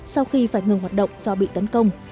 sau khi phải ngừng hoạt động do bị tấn công